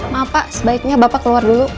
maaf pak sebaiknya bapak keluar dulu